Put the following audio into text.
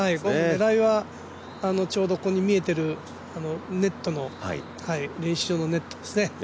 狙いはちょうど見えている練習場のネットですね。